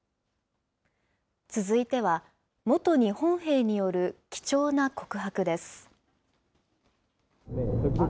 続いては、元日本兵による貴重な告白です。